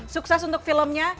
sukses untuk filmnya